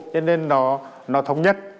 cho nên nó thống nhất